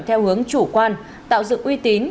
theo hướng chủ quan tạo dựng uy tín